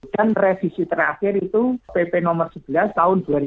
dan revisi terakhir itu pp nomor sebelas tahun dua ribu sembilan belas